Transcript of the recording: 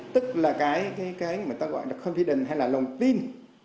tức là cái mà ta gọi là confidence hay là lòng tin